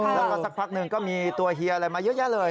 แล้วก็สักพักหนึ่งก็มีตัวเฮียอะไรมาเยอะแยะเลย